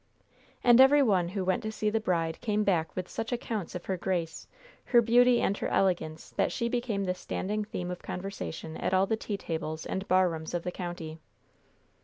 And every one who went to see the bride came back with such accounts of her grace, her beauty and her elegance that she became the standing theme of conversation at all the tea tables and bar rooms of the county.